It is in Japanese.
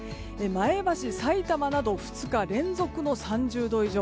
前橋、さいたまなど２日連続の３０度以上。